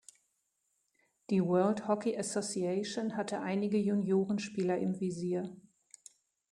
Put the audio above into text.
Die World Hockey Association hatte einige Juniorenspieler im Visier.